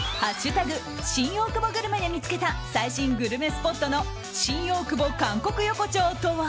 新大久保グルメ」で見つけた最新グルメスポットの新大久保韓国横丁とは？